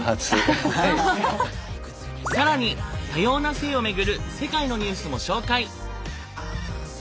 更に多様な性をめぐる世界のニュースも紹介。